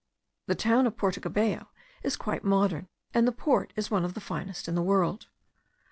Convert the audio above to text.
The town of Porto Cabello is quite modern, and the port is one of the finest in the world.